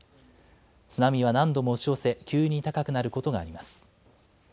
津波は何度も押し寄せ、急に高くなることがあります。